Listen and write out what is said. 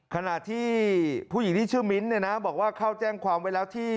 ขณะที่ผู้หญิงที่ชื่อมิ้นท์เนี่ยนะบอกว่าเข้าแจ้งความไว้แล้วที่